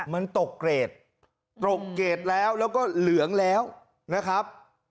มันตกเกรดตกเกรดแล้วแล้วก็เหลืองแล้วนะครับ